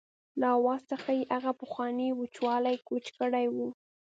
له آواز څخه یې هغه پخوانی وچوالی کوچ کړی و.